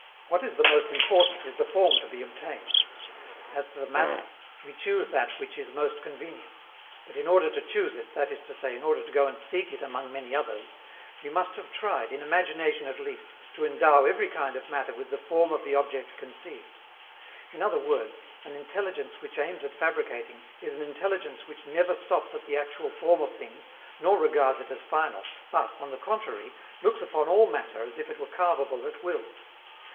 What is the most important is the form to be obtained. As to the matter, we choose that which is most convenient; but, in order to choose it, that is to say, in order to go and seek it among many others, we must have tried, in imagination at least, to endow every kind of matter with the form of the object conceived. In other words, an intelligence which aims at fabricating is an intelligence which never stops at the actual form of things nor regards it as final, but, on the contrary, looks upon all matter as if it were carvable at will.